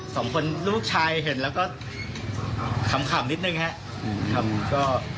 สองคนลูกชายเห็นแล้วก็ขำนิดนึงครับ